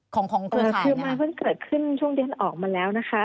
คือมันเพิ่งเกิดขึ้นช่วงที่ท่านออกมาแล้วนะคะ